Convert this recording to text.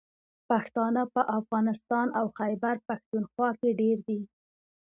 پښتانه په افغانستان او خیبر پښتونخوا کې ډېر دي.